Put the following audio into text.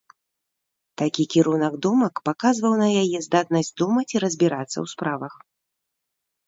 Такі кірунак думак паказваў на яе здатнасць думаць і разбірацца ў справах.